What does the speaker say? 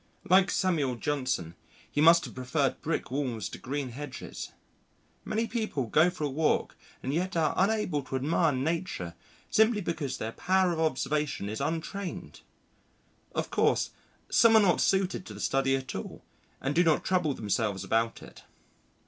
Like Samuel Johnson, he must have preferred brick walls to green hedges. Many people go for a walk and yet are unable to admire Nature simply because their power of observation is untrained. Of course some are not suited to the study at all and do not trouble themselves about it.